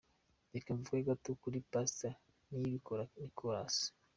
Reka mvuge gato kuri Pastor Niyibikora Nicolas.